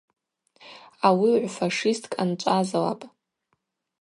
Ауи гӏвфашисткӏ анчӏвазлапӏ.